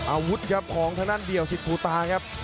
อาวุธครับของทะนั้นเดี่ยวชิดพูตาครับ